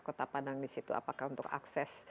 kota padang di situ apakah untuk akses